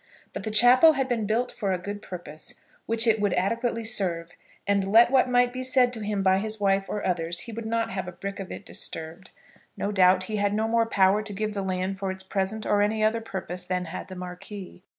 But the chapel had been built for a good purpose which it would adequately serve, and let what might be said to him by his wife or others, he would not have a brick of it disturbed. No doubt he had no more power to give the land for its present or any other purpose than had the Marquis.